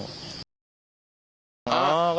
อ๋อก็ถูก